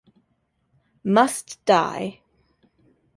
Must Die!